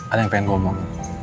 ada yang pengen gue omong